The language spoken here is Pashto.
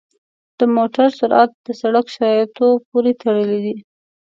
د موټر سرعت د سړک شرایطو پورې تړلی دی.